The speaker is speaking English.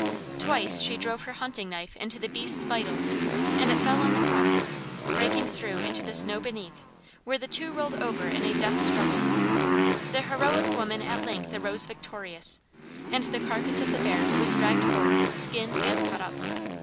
Twice she drove her hunting knife into the beast's vitals and it fell on the crust, breaking through into the snow beneath, where the two rolled over in a death struggle. The heroic woman at length arose victorious, and the carcase of the bear was dragged forth, skinned, and cut up.